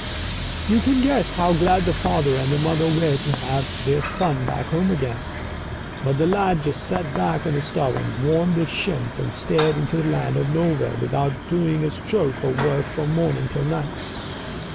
You can guess how glad the father and the mother were to have their son back home again. But the lad just sat back of the stove and warmed his shins, and stared into the Land of Nowhere, without doing a stroke of work from morning till night.